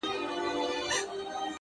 خو زما هيلې له ما نه مرورې _